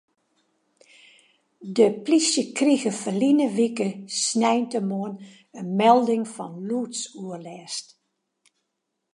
De plysje krige ferline wike sneintemoarn in melding fan lûdsoerlêst.